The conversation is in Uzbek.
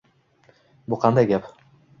Bu qanday gap?